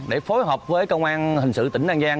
để phối hợp với công an hình sự tỉnh an giang